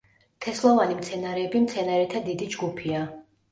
თესლოვანი მცენარეები მცენარეთა დიდი ჯგუფია.